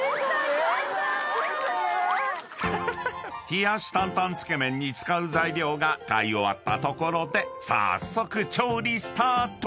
［冷やし担々つけ麺に使う材料が買い終わったところで早速調理スタート］